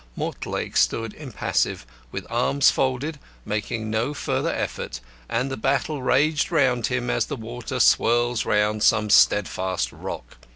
Mortlake stood impassive, with arms folded, making no further effort, and the battle raged round him as the water swirls round some steadfast rock.